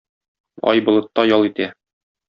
Ай болытта ял итә.